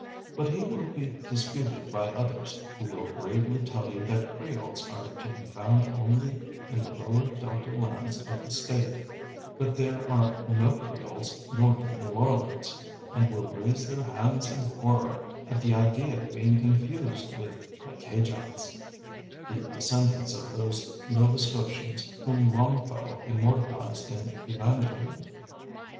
But he will be disputed by others, who will gravely tell you that Creoles are to be found only in the lower Delta lands of the state, that there are no Creoles north of New Orleans; and will raise their hands in horror at the idea of being confused with the "Cajans," the descendants of those Nova Scotians whom Longfellow immortalized in Evangeline.